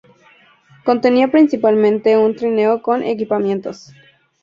Contenía principalmente un trineo con equipamientos.